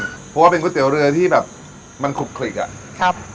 เพราะว่าเป็นก๋วยเตี๋ยวเรือที่แบบมันคลุกคลิกอ่ะครับ